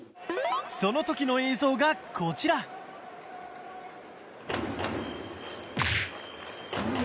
その時の映像がこちらうわ。